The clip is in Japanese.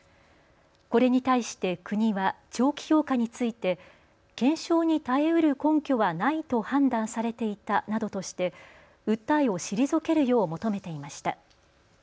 これに対して国は長期評価について検証に耐えうる根拠はないと判断されていたなどとして訴えを退けるよう求めていました。